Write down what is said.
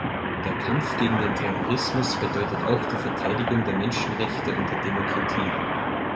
Der Kampf gegen den Terrorismus bedeutet auch die Verteidigung der Menschenrechte und der Demokratie.